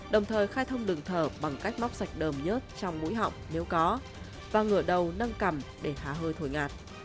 đồng thời khai thông đường thở bằng cách móc sạch đờm nhất trong mũi họng nếu có và ngửa đầu nâng cầm để há hơi thổi ngạt